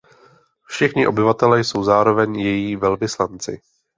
Všichni obyvatelé jsou zároveň její velvyslanci.